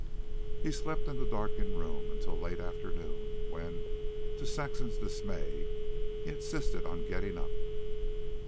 He slept in the darkened room until late afternoon, when, to Saxon's dismay, he insisted on getting up.